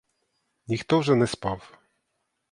Ніхто вже не спав.